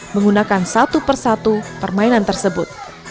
menggunakan satu persatu permainan tersebut